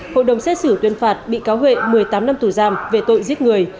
hội đồng xét xử tuyên phạt bị cáo huệ một mươi tám năm tù giam về tội giết người